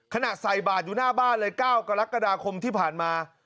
ใส่บาทอยู่หน้าบ้านเลย๙กรกฎาคมที่ผ่านมา